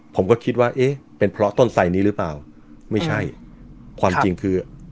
ผมก็คิดว่าเอ๊ะเป็นเพราะต้นไสนี้หรือเปล่าไม่ใช่ความจริงคือ